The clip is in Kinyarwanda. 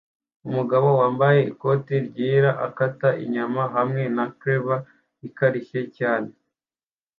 Umugabo wambaye ikote ryera akata inyama hamwe na cleaver ikarishye cyane